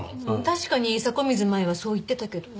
確かに迫水舞はそう言ってたけど。